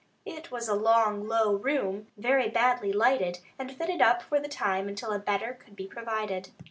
It was a long low room, very badly lighted, and fitted up for the time until a better could be provided.